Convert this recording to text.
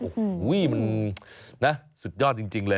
โอ้โหมันนะสุดยอดจริงเลย